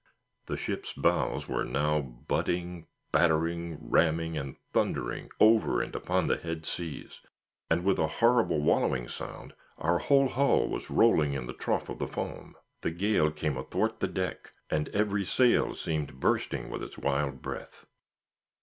The ship's bows were now butting, battering, ramming and thundering over and upon the head seas, and with a horrible wallowing sound our whole hull was rolling in the trough of the foam. The gale came athwart the deck, and every sail seemed bursting with its wild breath.